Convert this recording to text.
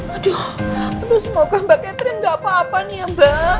aduh aduh semoga mbak catherine gak apa apa nih ya mbak